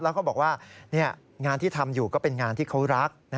แล้วก็บอกว่างานที่ทำอยู่ก็เป็นงานที่เขารัก